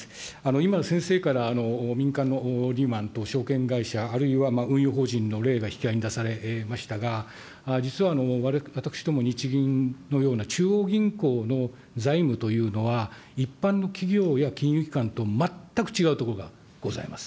今、先生から民間のリーマンと証券会社、あるいは運用法人の例が引き合いに出されましたが、実は私ども日銀のような中央銀行の財務というのは、一般の企業や金融機関と全く違うとこがございます。